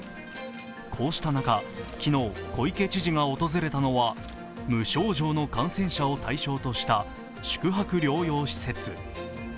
こうした中昨日、小池知事が訪れたのは無症状の感染者を対象とした宿泊療養施設。